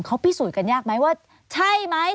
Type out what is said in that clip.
เขาพิสูจน์กันยากไหมว่าใช่ไหม